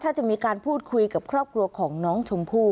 ถ้าจะมีการพูดคุยกับครอบครัวของน้องชมพู่